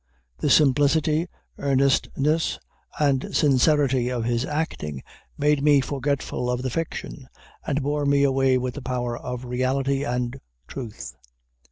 The simplicity, earnestness, and sincerity of his acting made me forgetful of the fiction, and bore me away with the power of reality and truth.